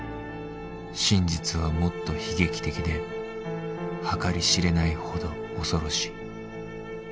真実はもっと悲劇的で計り知れないほど恐ろしい。